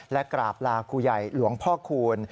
และกราบลาครูใหญ่หลวงพ่อคูณ